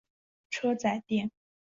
车仔电。